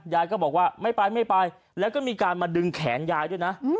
ยายก็บอกว่าไม่ไปไม่ไปแล้วก็มีการมาดึงแขนยายด้วยนะ